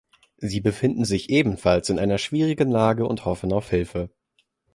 Sie befinden sich ebenfalls in einer schwierigen Lage und hoffen auf Hilfe.